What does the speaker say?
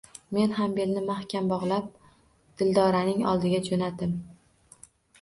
Men ham belni mahkam bogʻlab, Dildoraning oldiga joʻnadim.